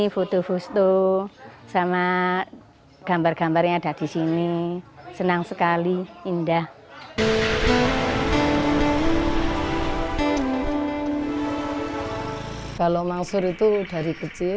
foto foto sama gambar gambarnya ada di sini senang sekali indah kalau mangsur itu dari kecil